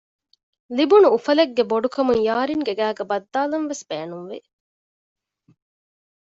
ލިބުނު އުފަލެއްގެ ބޮޑުކަމުން ޔާރިންގެ ގައިގައި ބައްދާލަންވެސް ބޭނުންވި